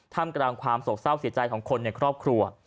ทำกลางความโศกเศร้าเสียใจของคนในครอบครัว